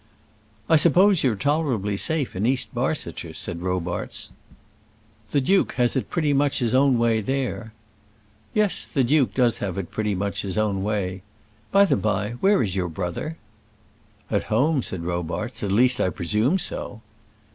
"I suppose you're tolerably safe in East Barsetshire?" said Robarts. "The duke has it pretty much his own way there." "Yes; the duke does have it pretty much his own way. By the by, where is your brother?" "At home," said Robarts; "at least I presume so."